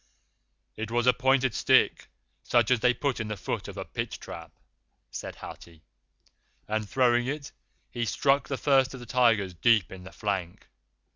"It was a pointed stick, such as they put in the foot of a pit trap," said Hathi, "and throwing it, he struck the First of the Tigers deep in the flank.